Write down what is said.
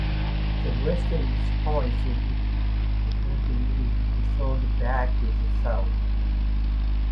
The rest of the Spanish retreated in disorder back to the south.